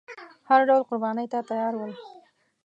هر ډول قربانۍ ته تیار ول.